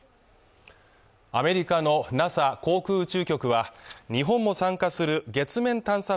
アメリカのＮＡＳＡ＝航空宇宙局は日本も参加する月面探査